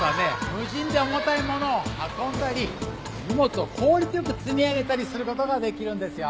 無人で重たい物を運んだり荷物を効率よく積み上げたりすることができるんですよ！